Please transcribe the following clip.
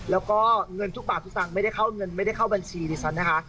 แล้วก็เงินทุกบาททุกสตางค์ไม่ได้เข้าเงินไม่ได้เข้าบัญชีดิฉันนะคะ